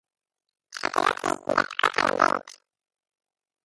חֲתוּלוֹת מִתְדַּפְּקוֹת עַל הַדֶּלֶת